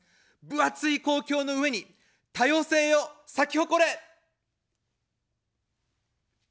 分厚い公共の上に、多様性よ、咲き誇れ。